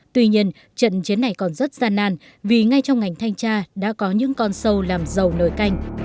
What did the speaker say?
tuy nhiên trận chiến này còn rất gian nan vì ngay trong ngành thanh tra đã có những con sâu làm dầu nồi canh